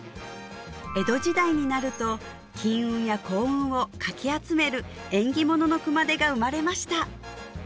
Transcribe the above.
江戸時代になると金運や幸運をかき集める縁起物の熊手が生まれました